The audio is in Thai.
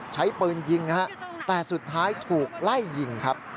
ใช้ปืนยิงนะฮะแต่สุดท้ายถูกไล่ยิงครับ